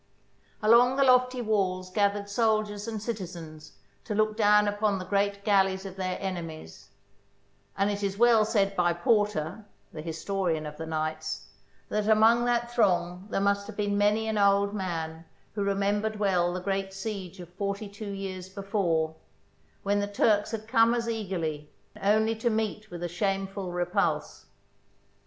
Along the lofty walls gathered soldiers and citi zens to look down upon the great galleys of their enemies, and it is well said by Porter, the historian of the knights, that among that throng there must have been many an old man who remembered well the great siege of forty two years before, when the Turks had come as eagerly, only to meet with a shameful repulse.